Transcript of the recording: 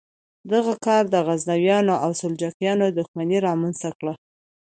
دغه کار د غزنویانو او سلجوقیانو دښمني رامنځته کړه.